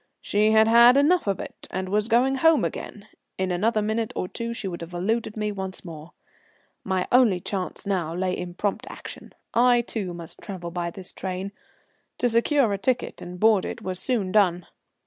She had had enough of it, and was going home again. In another minute or two she would have eluded me once more. My only chance now lay in prompt action. I, too, must travel by this train. To secure a ticket and board it was soon done.